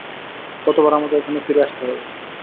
কতবার আমাকে এখানে ফিরে আসতে হবে?